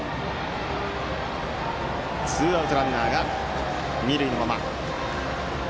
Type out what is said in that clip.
ツーアウトでランナーは二塁のまま。